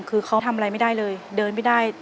คือเขาทำอะไรไม่ได้เลยเดินไม่ได้